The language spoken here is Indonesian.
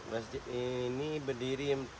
masjid ini berdiri empat belas sembilan belas